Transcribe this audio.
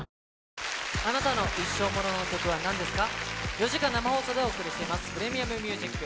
４時間生放送でお送りしています、ＰｒｅｍｉｕｍＭｕｓｉｃ。